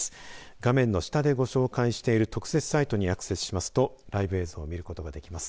画面の下でご紹介している特設サイトでアクセスしますとライブ映像を見ることができます。